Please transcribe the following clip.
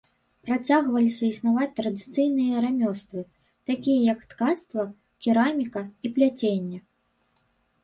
Працягвалі існаваць традыцыйныя рамёствы, такія як ткацтва, кераміка і пляценне.